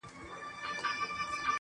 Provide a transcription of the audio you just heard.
دا دې قافله چېرته سالاره ورکه کړې ده